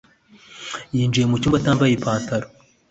yinjiye mu cyumba, atambaye ipantaro.